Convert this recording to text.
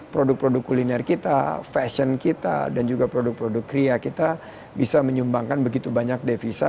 produk produk kuliner kita fashion kita dan juga produk produk kria kita bisa menyumbangkan begitu banyak devisa